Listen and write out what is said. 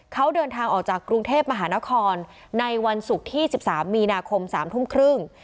เขาเดินทางออกจากกรุงเทพมหานครในวันศุกร์ที่๑๓มีนาคม๓ทุ่มครึ่ง